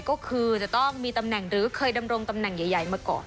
ก็คือจะต้องมีตำแหน่งหรือเคยดำรงตำแหน่งใหญ่มาก่อน